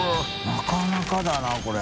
なかなかだなこれ。